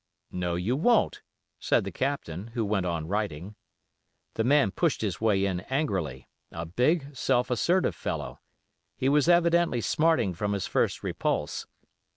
'No you won't,' said the Captain, who went on writing. The man pushed his way in angrily, a big, self assertive fellow; he was evidently smarting from his first repulse.